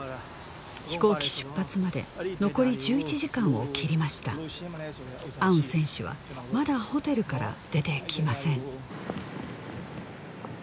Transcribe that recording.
飛行機出発まで残り１１時間を切りましたアウン選手はまだホテルから出てきません